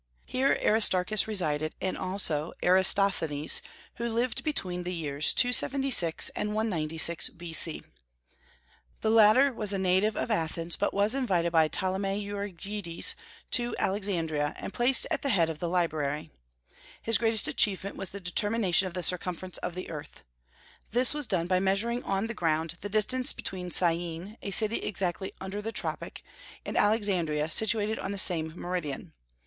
Here Aristarchus resided, and also Eratosthenes, who lived between the years 276 and 196 B.C. The latter was a native of Athens, but was invited by Ptolemy Euergetes to Alexandria, and placed at the head of the library. His great achievement was the determination of the circumference of the earth. This was done by measuring on the ground the distance between Syene, a city exactly under the tropic, and Alexandria, situated on the same meridian.